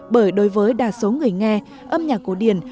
bởi đối với đa số người nghe âm nhạc cổ điển